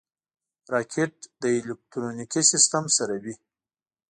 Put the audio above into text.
راکټ له الکترونیکي سیسټم سره وي